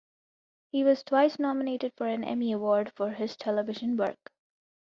He was twice nominated for an Emmy Award for his television work.